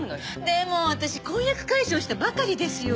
でも私婚約解消したばかりですよ。